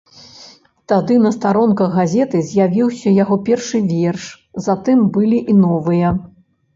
Тады на старонках газеты з'явіўся яго першы верш, затым былі і новыя.